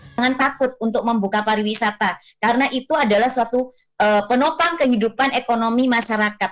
jangan takut untuk membuka pariwisata karena itu adalah suatu penopang kehidupan ekonomi masyarakat